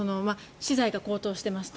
資材が高騰してますよ。